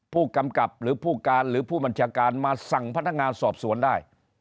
ผู้กำกับหรือผู้การหรือผู้บัญชาการมาสั่งพนักงานสอบสวนได้